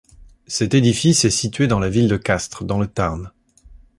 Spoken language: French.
Cet édifice est situé dans la ville de Castres, dans le Tarn.